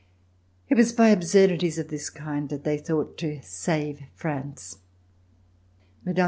It was by absurdities of this kind that they thought to save France. Mme.